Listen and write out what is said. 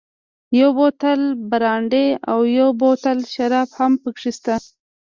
یو بوتل برانډي او یو بوتل شراب هم پکې شته.